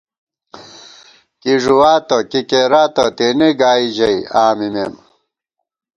کی ݫُواتہ کی کېراتہ تېنےگائی ژَئی، آں مِمېم